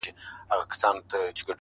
سکون له دننه پیدا کېږي.!